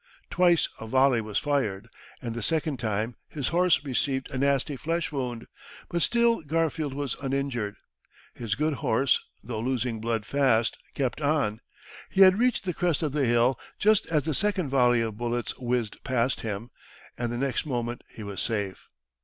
Twice a volley was fired, and the second time his horse received a nasty flesh wound; but still Garfield was uninjured. His good horse, though losing blood fast, kept on. He had reached the crest of the hill just as the second volley of bullets whizzed past him, and the next moment he was safe.